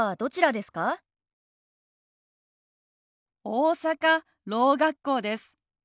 大阪ろう学校です。